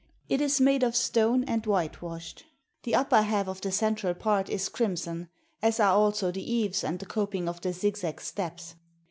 It is made of stone and whitewashed. The upper half of the central part is crimson, as are also the eaves and the coping of the zigzag steps.